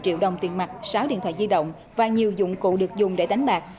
một mươi một triệu đồng tiền mạch sáu điện thoại di động và nhiều dụng cụ được dùng để đánh bạc